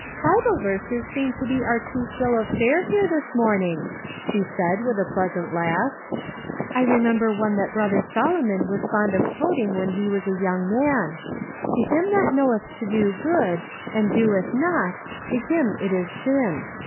" Bible verses seem to be our chief bill of fare here this morning," she said, with a pleasant laugh ;" I remember one that Drother Solomon was fond of quoting when he was a young man, * To him that knoweth to do good, and doeth it not, to him it is sin.'